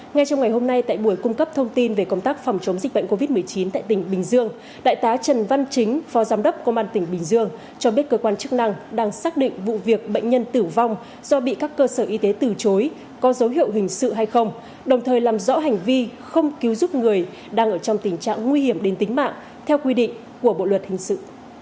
ngay trong ngày hôm nay tại buổi cung cấp thông tin về công tác phòng chống dịch bệnh covid một mươi chín tại tỉnh bình dương đại tá trần văn chính phó giám đốc công an tỉnh bình dương cho biết cơ quan chức năng đang xác định vụ việc bệnh nhân tử vong do bị các cơ sở y tế từ chối có dấu hiệu hình sự hay không đồng thời làm rõ hành vi không cứu giúp người đang ở trong tình trạng nguy hiểm đến tính mạng theo quy định của bộ luật hình sự